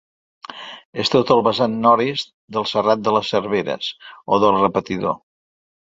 És tot el vessant nord-est del Serrat de les Serveres, o del Repetidor.